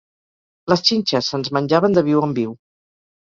Les xinxes se'ns menjaven de viu en viu.